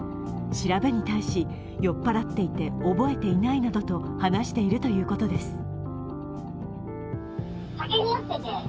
調べに対し、酔っ払っていて覚えていないなどと話しているということです。